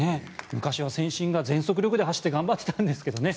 昔は線審が全速力で走って頑張ってたんですけどね。